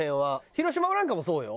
広島なんかもそうよ。